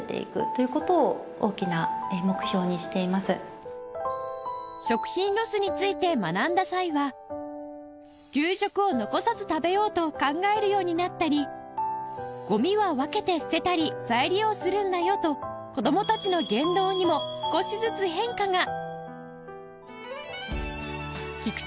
菊池さんの食品ロスについて学んだ際は給食を残さず食べようと考えるようになったりゴミは分けて捨てたり再利用するんだよと子どもたちの言動にも少しずつ変化が